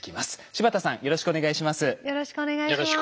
柴田さんよろしくお願いします。